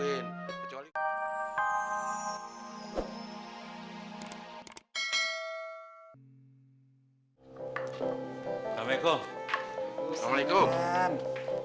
tapi bang kalau si johnny ngasong gitu bikin hati dia bahagia bang apalagi bisa ketemu temen temennya